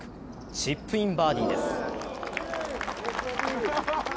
チップインバーディーです。